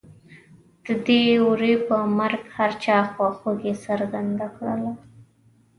د دې وري په مرګ هر چا خواخوږي څرګنده کړله.